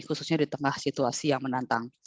khususnya di tengah situasi yang menantang